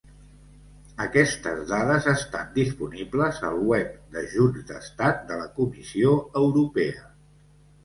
Aquestes dades estan disponibles al web d'Ajuts d'Estat de la Comissió Europea.